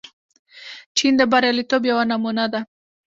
چین د بریالیتوب یوه نمونه ده.